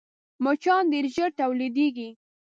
مچان ډېر ژر تولیدېږي